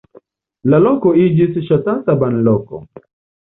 La loko iĝis ŝatata banloko.